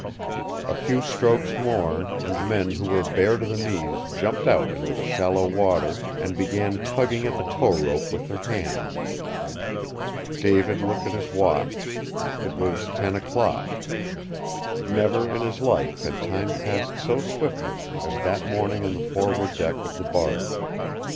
A few strokes more, and men who were bare to the knees jumped out into shallow water and began tugging at the tow rope with their hands. David looked at his watch. It was ten o'clock. Never in his life had time passed so swiftly as that morning on the forward deck of the barge.